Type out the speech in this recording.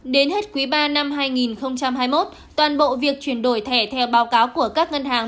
đến hết quý ba năm hai nghìn hai mươi một toàn bộ việc chuyển đổi thẻ theo báo cáo của các ngân hàng